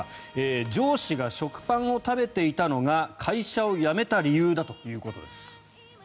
上司が食パンを食べていたのが会社を辞めた理由だということです。